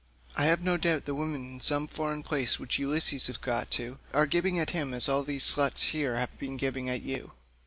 I have no doubt the women in some foreign palace which Ulysses has got to are gibing at him as all these sluts here have been gibing at you.